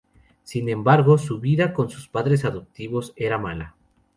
Sin embargo, su vida con sus padres adoptivos era mala.